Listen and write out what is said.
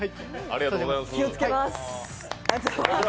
ありがとうございます。